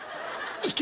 行け！